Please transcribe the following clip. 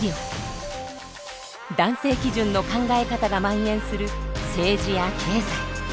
男性基準の考え方がまん延する政治や経済。